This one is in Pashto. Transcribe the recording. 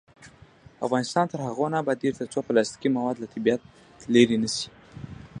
افغانستان تر هغو نه ابادیږي، ترڅو پلاستیکي مواد له طبیعت لرې نشي.